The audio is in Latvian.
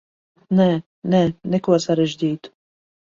Nē, nē, neko sarežģītu.